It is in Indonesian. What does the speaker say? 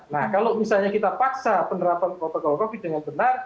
nah kalau misalnya kita paksa penerapan protokol covid dengan benar